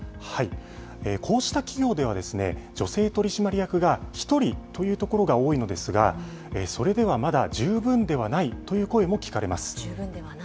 こうした企業では、女性取締役が１人というところが多いのですが、それではまだ十分ではないという声も聞かれます。